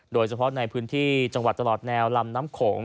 โดยเฉพาะในพื้นที่จังหวัดตลอดแนวลำน้ำโขง